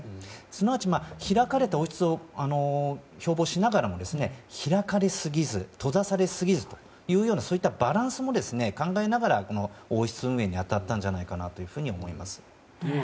すなわち開かれた王室を標榜しながらも開かれすぎず、閉ざされすぎずというバランスも考えながら王室運営に当たったんだと思います。